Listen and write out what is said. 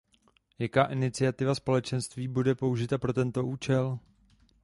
Jaká iniciativa Společenství bude použita pro tento účel?